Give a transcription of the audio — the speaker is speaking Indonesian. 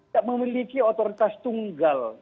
tidak memiliki otoritas tunggal